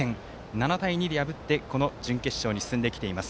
７対２で破って準決勝に進んできています。